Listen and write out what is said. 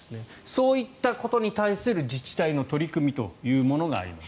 そういったことに対する自治体の取り組みというものがあります。